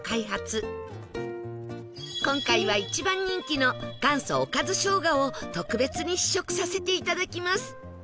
今回は一番人気の元祖おかずしょうがを特別に試食させていただきます